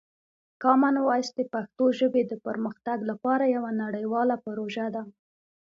کامن وایس د پښتو ژبې د پرمختګ لپاره یوه نړیواله پروژه ده.